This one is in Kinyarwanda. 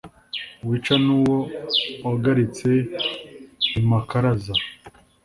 Wica n’uwo wagaritse i Makaraza,